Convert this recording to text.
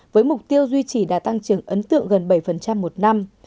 với mục tiêu duy trì đã tăng trưởng ấn tượng gần bảy một năm